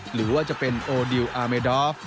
หรือว่าจะเป็นโอดิวอาร์เมดอฟ